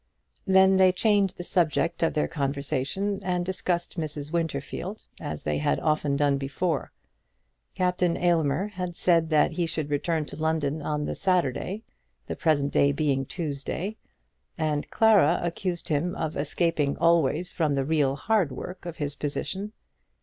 Then they changed the subject of their conversation, and discussed Mrs. Winterfield, as they had often done before. Captain Aylmer had said that he should return to London on the Saturday, the present day being Tuesday, and Clara accused him of escaping always from the real hard work of his position.